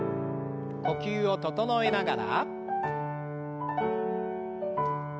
呼吸を整えながら。